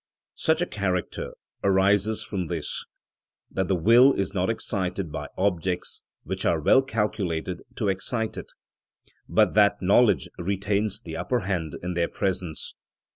Such a character arises from this, that the will is not excited by objects which are well calculated to excite it, but that knowledge retains the upper hand in their presence.